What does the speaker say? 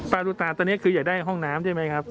รุตาตัวนี้คืออยากได้ห้องน้ำใช่ไหมครับ